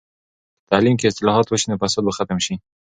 که تعلیم کې اصلاحات وسي، نو فساد به ختم سي.